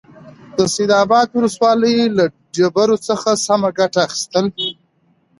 د سيدآباد ولسوالۍ له ډبرو سمه گټه اخيستل: